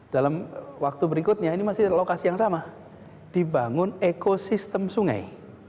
dalam waktu berikutnya ini masih lokasi yang sama dibangun ekosistem sungai